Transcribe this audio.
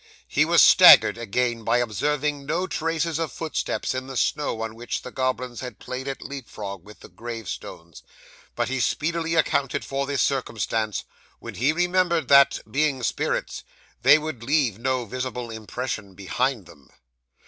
He was staggered again, by observing no traces of footsteps in the snow on which the goblins had played at leap frog with the gravestones, but he speedily accounted for this circumstance when he remembered that, being spirits, they would leave no visible impression behind them.